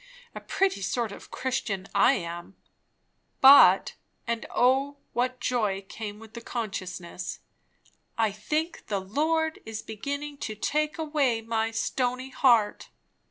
A pretty sort of a Christian I am! But and O what a joy came with the consciousness I think the Lord is beginning to take away my stony heart.